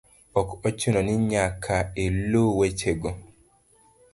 Ok ochuno ni nyaka iluw wechego